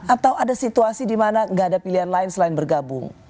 atau ada situasi di mana gak ada pilihan lain selain bergabung